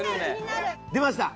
出ました。